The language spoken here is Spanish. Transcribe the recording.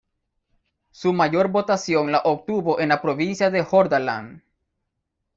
Su mayor votación la obtuvo en la provincia de Hordaland.